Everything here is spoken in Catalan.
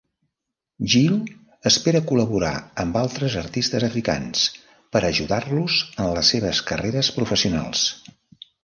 Gil espera col·laborar amb altres artistes africans per ajudar-los en les seves carreres professionals.